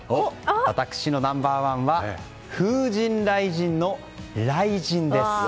私のナンバー１は風神雷神の雷神です。